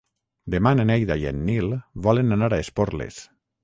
Demà na Neida i en Nil volen anar a Esporles.